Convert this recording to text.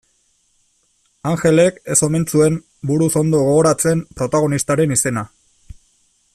Anjelek ez omen zuen buruz ondo gogoratzen protagonistaren izena.